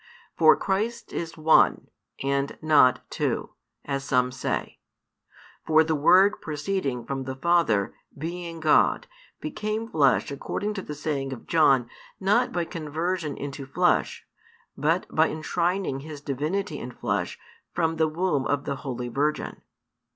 For Christ is one, and not two, as some say: for the Word proceeding from the Father, being God, became flesh according to the saying of John not by conversion into flesh, but by enshrining His divinity in flesh from the womb of the holy virgin.